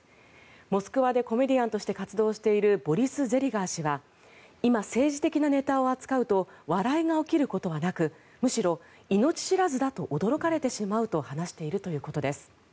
モスクワでコメディアンとして活動しているボリス・ゼリガー氏は今政治的なネタを扱うと笑いが起きることはなくむしろ命知らずだと驚かれてしまうと話しているということです。